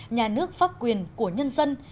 nhà nước pháp quyền của nhân dân